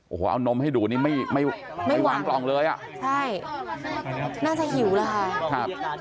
โอ้โหเอานมให้ดูนี่ไม่หวังเลยอ่ะ